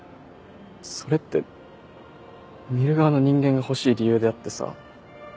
それって見る側の人間がほしい理由であってさ